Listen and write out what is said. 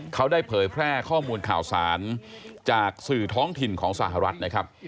เขาได้เผยแพร่ข้อมูลข่าวสารจากสื่อท้องถิ่นของสหรัฐนะครับ